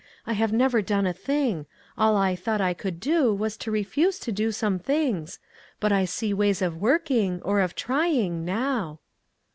I have never done a thing; all I thought I could do was to refuse to do some things, but I see ways of working, or of trying, now."